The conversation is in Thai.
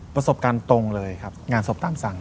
ประสบการณ์ตรงเลยครับงานศพตามสั่ง